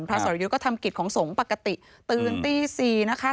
สรยุทธ์ก็ทำกิจของสงฆ์ปกติตื่นตี๔นะคะ